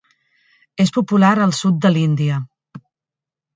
És popular al sud de l'Índia.